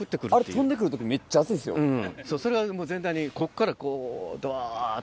うんそれが全体にこっからこうどわって。